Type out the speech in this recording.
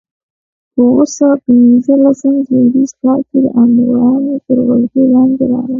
په اووه سوه پنځلسم زېږدیز کال د امویانو تر ولکې لاندې راغي.